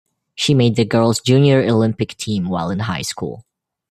She made the girls Junior Olympic Team while in high school.